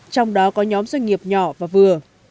trong đó có nhóm doanh nghiệp nhỏ và vừa